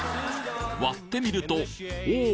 割ってみるとおお！